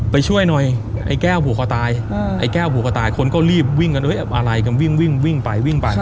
ไปช่วยหน่อยไอ้แก้วผูคอตายคนก็รีบวิ่งกันอะไรกันวิ่งไป